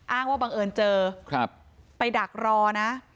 อ้างว่าบังเอิญเจอไปดักรอนะ